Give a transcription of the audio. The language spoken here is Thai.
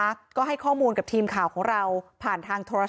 แต่แท็กซี่เขาก็บอกว่าแท็กซี่ควรจะถอยควรจะหลบหน่อยเพราะเก่งเทาเนี่ยเลยไปเต็มคันแล้ว